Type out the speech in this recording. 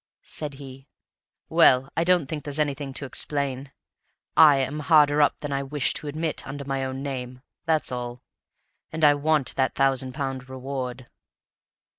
said he. "Well, I don't think there's anything to explain. I am harder up than I wished to admit under my own name, that's all, and I want that thousand pounds reward."